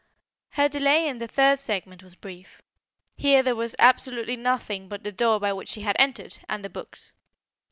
Her delay in the third segment was brief. Here there was absolutely nothing but the door by which she had entered, and the books.